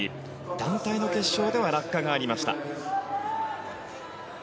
団体の決勝では落下がありました。